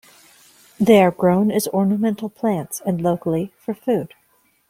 They are grown as ornamental plants and, locally, for food.